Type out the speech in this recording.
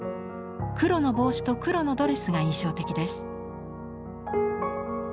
黒の帽子と黒のドレスが印象的です。